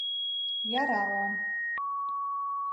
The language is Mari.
Яралан...